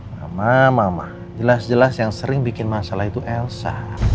mama mama jelas jelas yang sering bikin masalah itu elsa